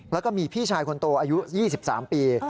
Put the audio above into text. แล้วก็มีพี่ชายคนโตอายุ๒๓ปี